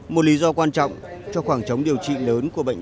một lý do quan trọng cho khoảng trống điều trị lớn của bệnh